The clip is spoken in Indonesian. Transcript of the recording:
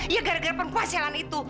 ya gara gara pempuasan itu